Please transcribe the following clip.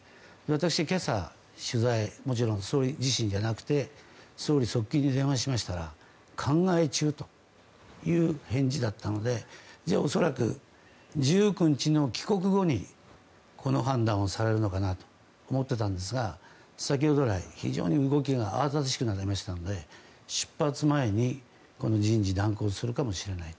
私は今朝、取材総理自身じゃなくて総理側近に電話しましたら考え中という返事だったのでじゃあ恐らく１９日の帰国後にこの判断をされるのかなと思っていたんですが先ほど、非常に動きが慌ただしくなりましたので出発前に人事断行するかもしれない。